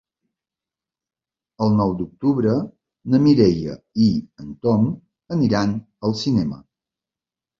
El nou d'octubre na Mireia i en Tom aniran al cinema.